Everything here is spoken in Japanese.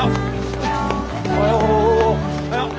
おはよう！